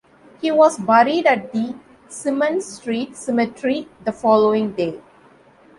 He was buried at the Symonds Street Cemetery the following day.